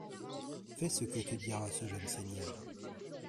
Fais ce que te dira ce jeune seigneur.